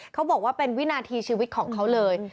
เขาบอกว่าเป็นวินาทีชีวิตของเขาเลย